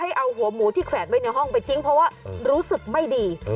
เอาหัวหมูที่แขวนไว้ในห้องไปทิ้งเพราะว่ารู้สึกไม่ดี